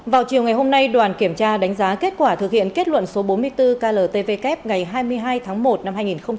vào chiều ngày hôm nay đoàn kiểm tra đánh giá kết quả thực hiện kết luận số bốn mươi bốn kltvk ngày hai mươi hai tháng một năm hai nghìn hai mươi ba